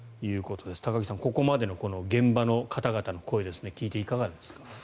高木さん、ここまでの現場の方々の声を聞いていかがですか。